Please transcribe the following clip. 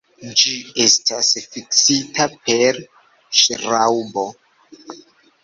Ĝi estas fiksita per ŝraŭbo.